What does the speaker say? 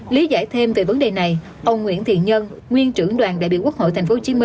lý giải thêm về vấn đề này ông nguyễn thiện nhân nguyên trưởng đoàn đại biểu quốc hội tp hcm